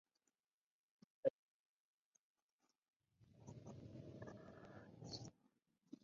Dr Mark Siegler is the establishing chief.